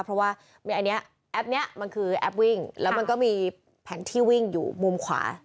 เพราะว่าอันนี้แอปนี้มันคือแอปวิ่งแล้วมันก็มีแผนที่วิ่งอยู่มุมขวา